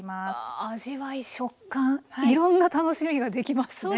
わあ味わい食感いろんな楽しみができますね。